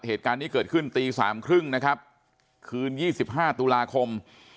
เหตุการณ์นี้เกิดขึ้นตีสามครึ่งนะครับคืนยี่สิบห้าตุลาคม